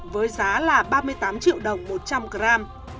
với giá là ba mươi tám triệu đồng một trăm linh gram